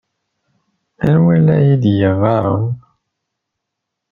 Anwa ay la iyi-d-yeɣɣaren?